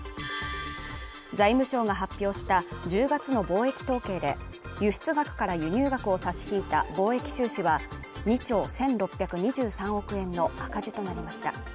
財務省が発表した１０月の貿易統計で輸出額から輸入額を差し引いた貿易収支は２兆１６２３億円の赤字となりました